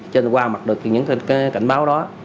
cho nên qua mặt được những cảnh báo đó